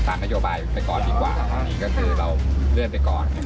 ตามนโยบายไปก่อนดีกว่าครั้งนี้ก็คือเราเลื่อนไปก่อนนะครับผม